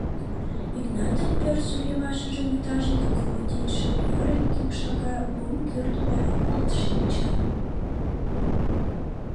Игнатын пӧртшӧ, левашыже, вӱтаже да колодичше йыр кӱкшака лум кӱрт оралалт шинчын.